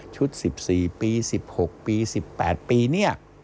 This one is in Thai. ๑๔ปี๑๖ปี๑๘ปีเนี่ย